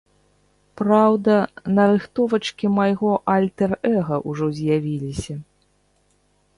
Праўда, нарыхтовачкі майго альтэр-эга ўжо з'явіліся.